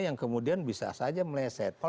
yang kemudian bisa saja meleset